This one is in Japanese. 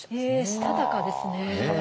したたかですね。